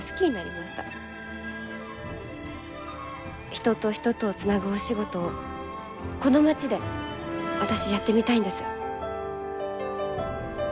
人と人とをつなぐお仕事をこの町で私やってみたいんです。